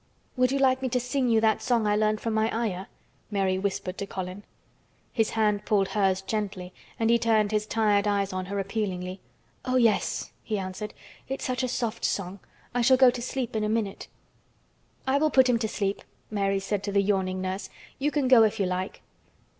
"Would you like me to sing you that song I learned from my Ayah?" Mary whispered to Colin. His hand pulled hers gently and he turned his tired eyes on her appealingly. "Oh, yes!" he answered. "It's such a soft song. I shall go to sleep in a minute." "I will put him to sleep," Mary said to the yawning nurse. "You can go if you like."